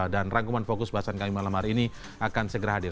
dan rangkuman fokus bahasan kami malam hari ini akan segera hadir